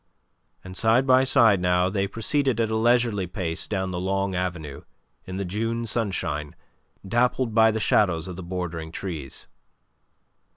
And side by side now they proceeded at a leisurely pace down the long avenue in the June sunshine dappled by the shadows of the bordering trees.